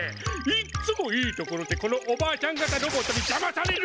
いっつもいいところでこのおばあちゃん型ロボットにじゃまされるの！